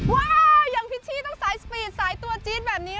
อย่างพิชชี่ต้องสายสปีดสายตัวจี๊ดแบบนี้